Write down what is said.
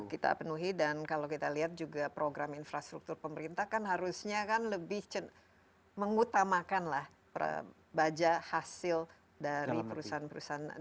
kita penuhi dan kalau kita lihat juga program infrastruktur pemerintah kan harusnya kan lebih mengutamakan lah baja hasil dari perusahaan perusahaan